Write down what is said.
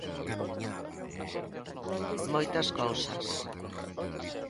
Moitas cousas!